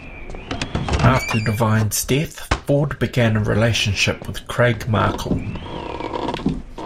After Divine's death, Ford began a relationship with Craig Markle.